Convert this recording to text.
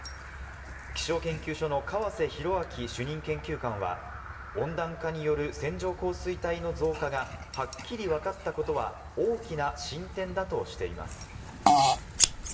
気象研究所の川瀬宏明主任研究官は、温暖化による線状降水帯の増加がはっきりわかったことは大きな進展だとしています。